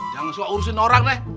jangan sok urusin orang ya